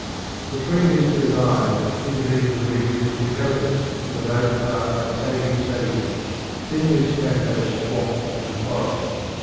Between these two lines intervenes a region inhabited for the most part by pagan savages, thinly scattered over swamp and forest.